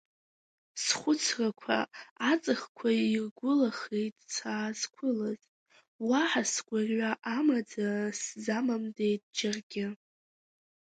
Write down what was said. Схәыцрақәа аҵыхқәа иргәылахеит саазқәылаз, уаҳа сгәырҩа амаӡа сзамамдеит џьаргьы.